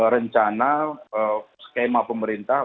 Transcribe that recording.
rencana skema pemerintah